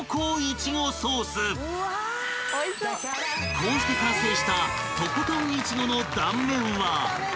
［こうして完成したとことん苺の断面は］